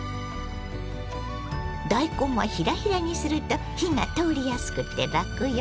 大根はひらひらにすると火が通りやすくてラクよ。